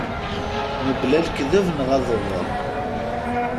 Mebla lekteb neɣ adewwer.